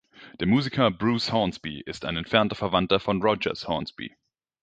Der Musiker Bruce Hornsby ist ein entfernter Verwandter von Rogers Hornsby.